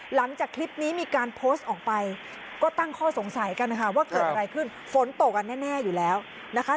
หลังจากคลิปนี้มีการโพสต์ออกไปก็ตั้งข้อสงสัยกันนะคะว่าเกิดอะไรขึ้นฝนตกกันแน่อยู่แล้วนะคะ